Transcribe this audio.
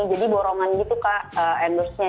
jadi borongan gitu endorsenya